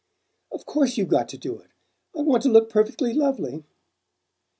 "Of course you've got to do it I want to look perfectly lovely!"